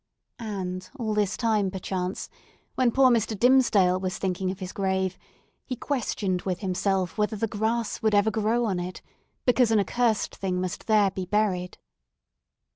And all this time, perchance, when poor Mr. Dimmesdale was thinking of his grave, he questioned with himself whether the grass would ever grow on it, because an accursed thing must there be buried!